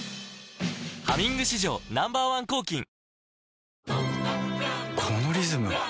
「ハミング」史上Ｎｏ．１抗菌お？